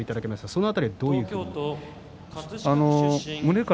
その辺りはどういうことですか？